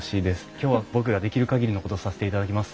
今日は僕ができる限りのことをさせていただきます。